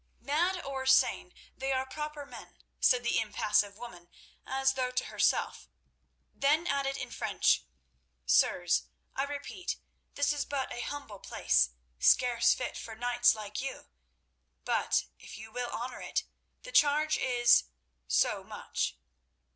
"Mad or sane, they are proper men," said the impassive woman, as though to herself, then added in French, "Sirs, I repeat, this is but a humble place, scarce fit for knights like you, but if you will honour it, the charge is—so much."